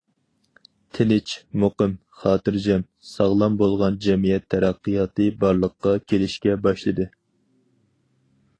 تىنچ، مۇقىم، خاتىرجەم، ساغلام بولغان جەمئىيەت تەرەققىياتى بارلىققا كېلىشكە باشلىدى.